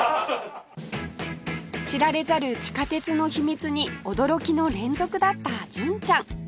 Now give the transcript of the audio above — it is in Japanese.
知られざる地下鉄の秘密に驚きの連続だった純ちゃん